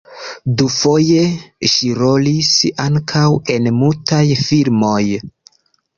Dufoje ŝi rolis ankaŭ en mutaj filmoj.